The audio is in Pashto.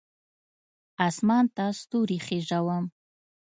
اسمان ته ستوري خیژوم